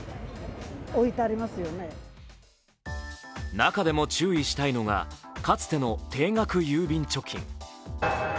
中でも注意したいのがかつての定額郵便貯金。